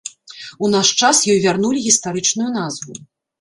У наш час ёй вярнулі гістарычную назву.